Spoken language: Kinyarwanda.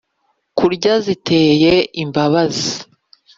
Kurya ziteye imbabazi